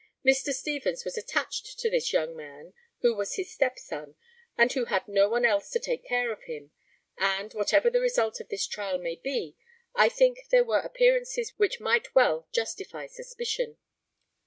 Mr. Stevens was attached to this young man, who was his stepson, and who had no one else to take care of him; and, whatever the result of this trial may be, I think there were appearances which might well justify suspicion.